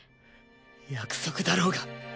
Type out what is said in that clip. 約束だろうが。